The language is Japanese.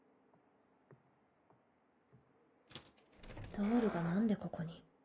ドールが何でここに？